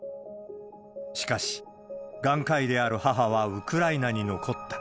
しかし、眼科医である母はウクライナに残った。